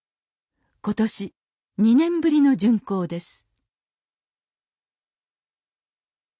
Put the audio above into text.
今年２年ぶりの巡行です